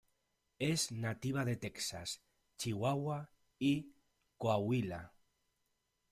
Es nativa de Texas, Chihuahua y Coahuila.